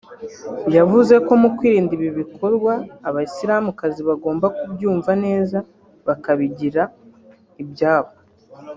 yavuze ko mu kwirinda ibi bikorwa abasilamukazi bagomba kubyumva neza bakabigira ibyabo